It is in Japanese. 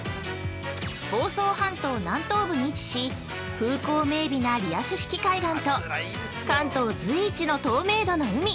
房総半島南東部に位置し、風光明媚なリアス式海岸と関東随一の透明度の海。